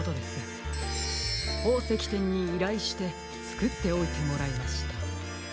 ほうせきてんにいらいしてつくっておいてもらいました。